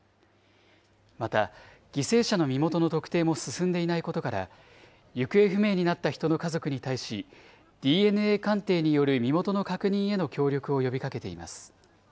また、犠牲者の身元の特定も進んでいないことから、行方不明になった人の家族に対し、ＤＮＡ鑑定による身元の確認への協力を呼びかけています。